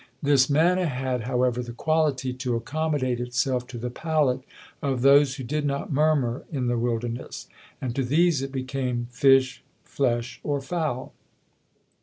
This manna had, however, the quality to accommodate itself to the palate of those who did not murmur in the wilderness; and to these it became fish, flesh, or fowl.